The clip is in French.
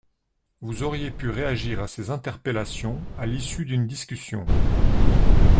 Vous auriez pu réagir à ces interpellations à l’issue d’une discussion.